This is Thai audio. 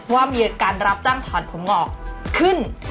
ว่ามีการรับจ้างถอนผมงอกขึ้น